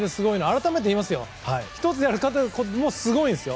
改めて言いますが１つやるだけでもすごいんです！